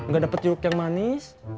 gak dapat jeruk yang manis